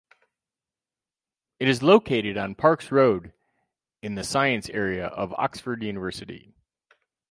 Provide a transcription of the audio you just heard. It is located on Parks Road in the Science Area of Oxford University.